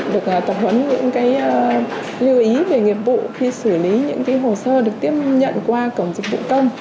được tập huấn những lưu ý về nghiệp vụ khi xử lý những hồ sơ được tiếp nhận qua cổng dịch vụ công